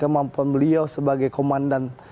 kemampuan beliau sebagai komandan